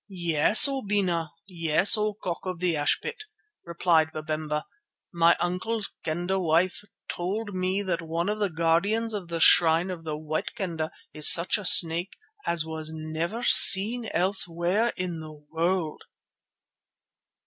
"Yes, O Bena. Yes, O Cock of the Ashpit," replied Babemba. "My uncle's Kendar wife told me that one of the guardians of the shrine of the White Kendah is such a snake as was never seen elsewhere in the world."